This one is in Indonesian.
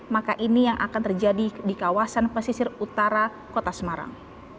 maka ini yang akan terjadi di kawasan pesisir utara kota semarang